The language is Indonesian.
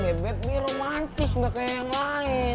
bebek ini romantis gak kayak yang lain